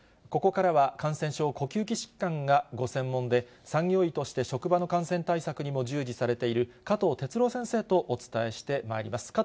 ここからは感染症呼吸器疾患がご専門で、産業医として職場の感染対策にも従事されている、加藤哲朗先生とお伝えしてまいります。